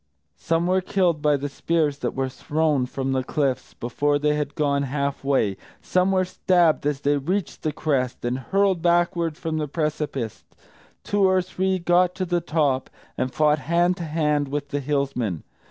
Some were killed by the spears that were thrown from the cliffs, before they had gone half way; some were stabbed as they reached the crest, and hurled backward from the precipice; two or three got to the top, and fought hand to hand with the Hillsmen.